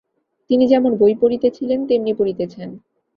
তিনি যেমন বই পড়িতেছিলেন, তেমনি পড়িতেছেন।